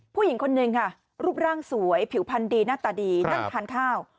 ผู้หญิงคนหนึ่งค่ะรูปร่างสวยผิวพันธ์ดีหน้าตาดีนั่งทานข้าว